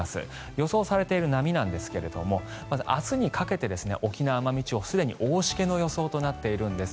予想されている波なんですがまず、明日にかけて沖縄・奄美地方すでに大しけの予想となっているんです。